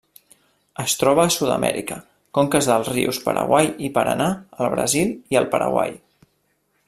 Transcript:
Es troba a Sud-amèrica: conques dels rius Paraguai i Paranà al Brasil i el Paraguai.